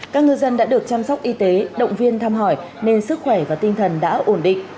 các ngư dân đã được chăm sóc y tế động viên thăm hỏi nên sức khỏe và tinh thần đã ổn định